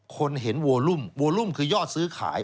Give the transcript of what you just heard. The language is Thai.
คนเห็นโวลุมโวลุมคือยอดซื้อขาย